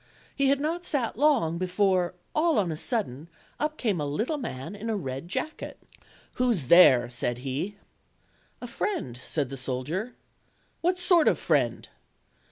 He had not sat long before, all on a sudden, up came a little man in a red jacket. "Who's there?" said he. "A friend," said the soldier. "What sort of friend?"